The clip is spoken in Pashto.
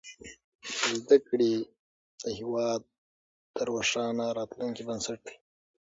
زدهکړې د هېواد د روښانه راتلونکي بنسټ دی.